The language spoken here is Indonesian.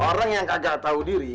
orang yang kagak tau diri